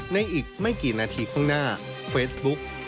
ในอีกไม่กี่นาทีข้างหน้าแฟสบุ๊กยอมรับว่า